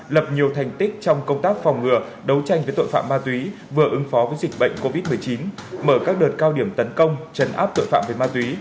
lập nhiều thành tích trong công tác phòng ngừa đấu tranh với tội phạm ma túy vừa ứng phó với dịch bệnh covid một mươi chín mở các đợt cao điểm tấn công chấn áp tội phạm về ma túy